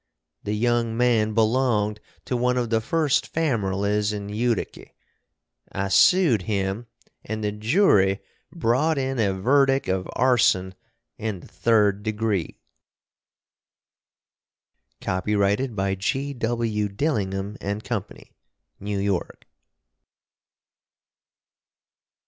The young man belonged to 1 of the first famerlies in Utiky. I sood him and the Joory brawt in a verdick of Arson in the 3d degree. Copyrighted by G.W. Dillingham and Company, New York.